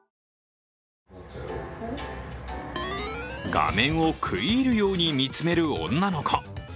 画面を食い入るように見つめる女の子。